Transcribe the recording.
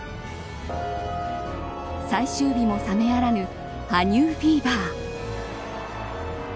最終日も冷めやらぬ羽生フィーバー。